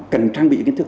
cần trang bị kiến thức